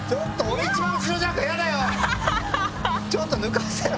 ちょっと抜かせろよ。